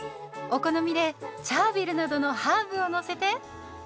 お好みでチャービルなどのハーブをのせて。